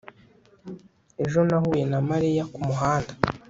ejo nahuye na mariya kumuhanda